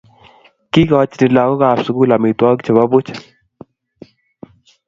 Kikochini lagokab sukul amitwogik chebo buch